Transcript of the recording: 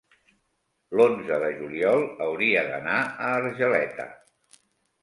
L'onze de juliol hauria d'anar a Argeleta.